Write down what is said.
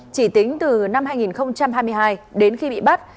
chỉ tính từ năm hai nghìn hai mươi hai đến khi bị bắt